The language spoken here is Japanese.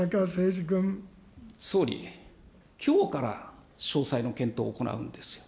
総理、きょうから詳細の検討を行うんですよ。